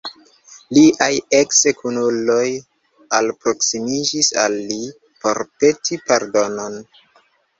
Liaj eks-kunuloj alproksimiĝis al li por peti pardonon.